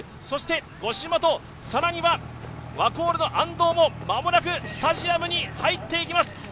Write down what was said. そして、五島と更にはワコールの安藤も間もなくスタジアムに入っていきます。